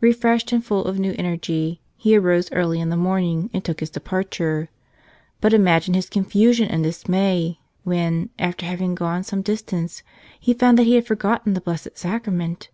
Refreshed and full of new energy, he arose early in the morning and took his departure. But imagine his confusion and dismay when, after having gone some distance, he found that he had forgotten the Blessed Sacrament!